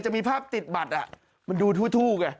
จะมีภาพติดบัตรมันดูทู่ไง